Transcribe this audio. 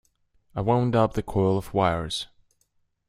I wound up the coil of wires.